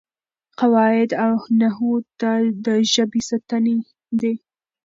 قواعد او نحو د ژبې ستنې دي.